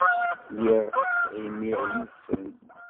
Lliɣ ttɣimiɣ yid-sen.